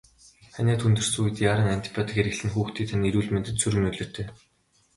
Ханиад хүндэрсэн үед яаран антибиотик хэрэглэх нь хүүхдийн тань эрүүл мэндэд сөрөг нөлөөтэй.